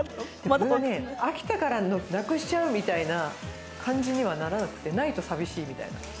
これが飽きたからなくしちゃうみたいな感じにはならなくて、ないと寂しいみたいな。